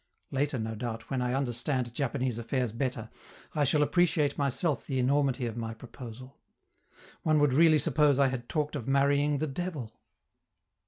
Later, no doubt, when I understand Japanese affairs better, I shall appreciate myself the enormity of my proposal: one would really suppose I had talked of marrying the devil.